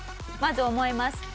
まず思います。